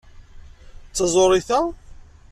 D taẓuri ta?